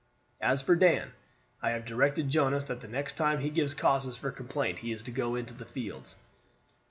As for Dan, I have directed Jonas that the next time he gives cause for complaint he is to go into the fields."